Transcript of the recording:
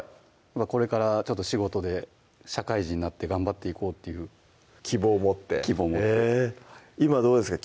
これから仕事で社会人になって頑張っていこうっていう希望を持って希望を持って今どうですか？